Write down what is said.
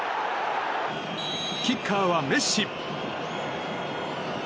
キッカーはメッシ。